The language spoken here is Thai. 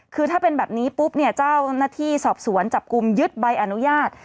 คือถ้าเป็นแบบนี้ปุ๊บเนี่ยเจ้าหน้าที่สอบสวนจับกลุ่มยึดใบอนุญาต